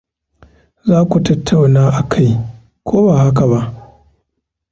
Za ku tattauna akai, ko ba haka ba?